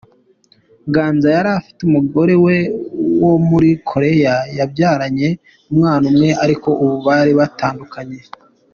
Ganza yari afite umugore wo muri Korea babyaranye umwana umwe ariko ubu bari baratandukanye.